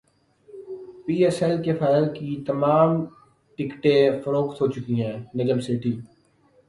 پی S L کے final کی تمام ٹکٹیں فروخت ہوچکی ہیں نجم سیٹھی